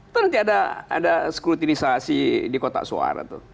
itu nanti ada skrutinisasi di kotak suara tuh